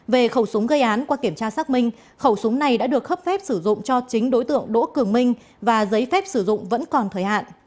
về khẩu súng gây án qua kiểm tra xác minh khẩu súng này đã được cấp phép sử dụng cho chính đối tượng đỗ cường minh và giấy phép sử dụng vẫn còn thời hạn